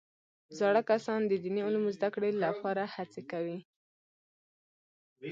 زاړه کسان د دیني علومو زده کړې لپاره هڅې کوي